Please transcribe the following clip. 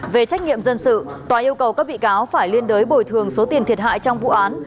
về trách nhiệm dân sự tòa yêu cầu các bị cáo phải liên đối bồi thường số tiền thiệt hại trong vụ án